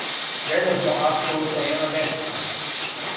Тренутно апсолутно нема места.